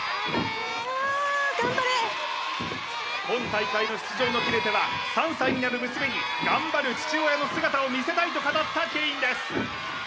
今大会の出場の決め手は３歳になる娘に頑張る父親の姿を見せたいと語ったケインですＭ！